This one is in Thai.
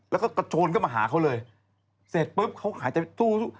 แล้วก็โชนก็มาหาเค้าเลยเสร็จปุ๊บเค้าขายใจสู้